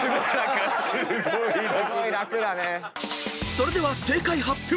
［それでは正解発表］